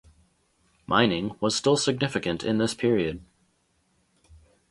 Mining was still significant in this period.